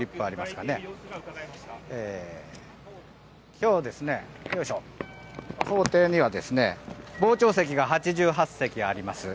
今日、法廷には傍聴席が８８席あります。